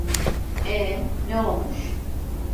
Ee, ne olmuş?